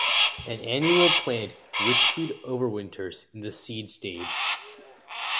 An annual plant, witchweed overwinters in the seed stage.